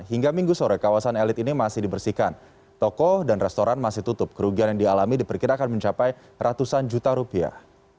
hingga minggu sore kawasan elit ini masih dibersihkan toko dan restoran masih tutup kerugian yang dialami diperkirakan mencapai ratusan juta rupiah